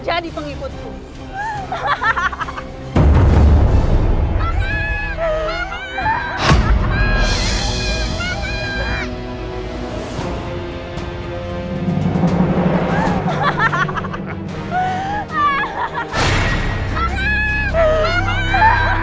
assalamualaikum warahmatullahi wabarakatuh